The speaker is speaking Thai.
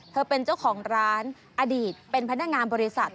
เธอเป็นเจ้าของร้านอดีตเป็นพนักงานบริษัท